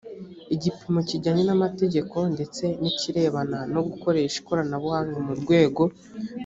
igipimo kijyanye n amategeko ndetse n ikirebana no gukoresha ikoranabuhanga mu rwego